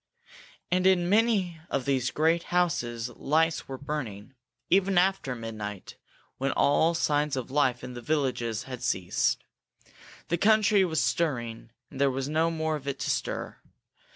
And in many of these great houses lights were burning, even after midnight, when all signs of life in the villages had ceased. The country was stirring, and there was more of it to stir.